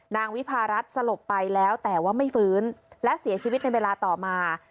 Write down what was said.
วิพารัฐสลบไปแล้วแต่ว่าไม่ฟื้นและเสียชีวิตในเวลาต่อมา